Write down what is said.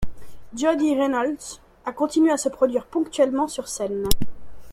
Jody Reynolds a continué à se produire ponctuellement sur scène.